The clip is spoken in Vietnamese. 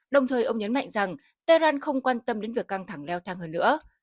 đồng thời ông nhấn mạnh rằng tehran không quan tâm đến việc căng thẳng leo thang hơn nữa